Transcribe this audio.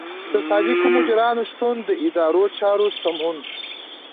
د صادقو مدیرانو شتون د ادارو چارې سموي.